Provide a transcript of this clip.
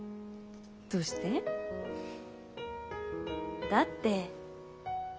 どうして？だって。